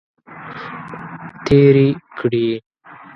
تیرې کړې.